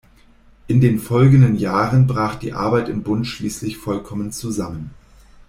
In den folgenden Jahren brach die Arbeit im Bund schließlich vollkommen zusammen.